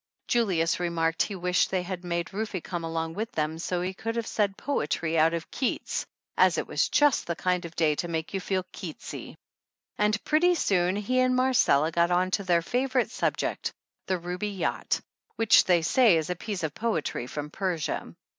Julius remarked he wished they had made Rufe come along with them so he could have said poetry out of Keats, as it was just the kind of day to make you feel Keatsy; and pretty soon he and Marcella got on to their favorite sub ject, "The Ruby Yacht," which they say is a piece of poetry from Persia.